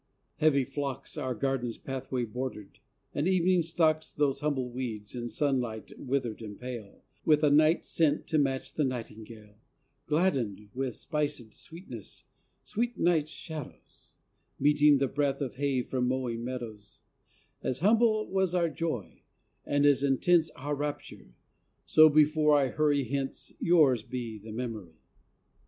Heavy phlox Our garden pathways bordered, and evening stocks, Those humble weeds, in sunlight withered and pale, With a night scent to match the nightingale, Gladdened with spicèd sweetness sweet night’s shadows, Meeting the breath of hay from mowing meadows: As humble was our joy, and as intense Our rapture. So, before I hurry hence, Yours be the memory.